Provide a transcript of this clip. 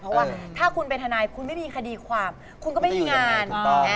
เพราะว่าถ้าคุณเป็นทนายคุณไม่มีคดีความคุณก็ไม่มีงาน